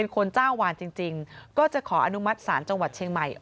คนจ้างวานจริงก็จะขออนุมัติศาลจังหวัดเชียงใหม่